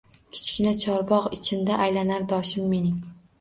Kichkina chorbogʼ ichinda aylanar boshim mening